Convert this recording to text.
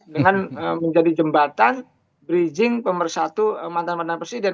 dengan menjadi jembatan bridging pemersatu mantan mantan presiden